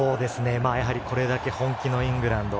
これだけ本気のイングランド。